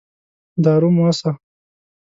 دارو موسه.